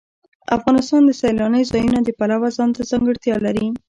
افغانستان د سیلانی ځایونه د پلوه ځانته ځانګړتیا لري.